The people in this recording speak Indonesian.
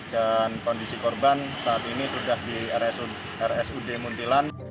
dan kondisi korban saat ini sudah di rsud muntilan